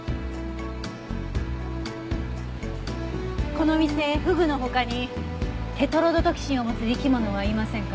この店フグの他にテトロドトキシンを持つ生き物はいませんか？